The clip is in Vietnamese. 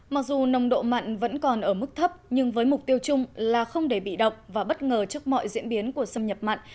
mặc dù nồng độ mặn vẫn còn ở mức thấp nhưng với mục tiêu chung là không để bị động và bất ngờ trước mọi diễn biến của xâm nhập mặn